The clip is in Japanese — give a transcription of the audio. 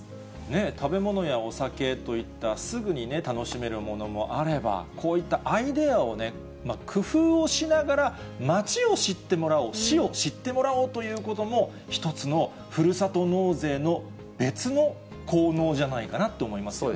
食べ物やお酒といったすぐに楽しめるものもあれば、こういったアイデアを工夫をしながら、町を知ってもらおう、市を知ってもらおうということも、一つのふるさと納税の別の効能じゃないかなと思いますよね。